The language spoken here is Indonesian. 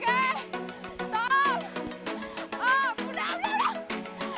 oh mudah banget loh